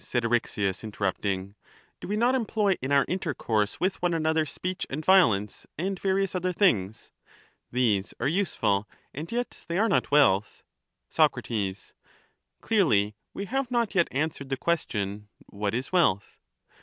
said Eryxias, interrupt useful besides 401 ing. Do we not employ in our intercourse with one another wealth speech and violence (?) and various other things? These are useful and yet they are not wealth. Soc. Clearly we have not yet answered the question, What is wealth?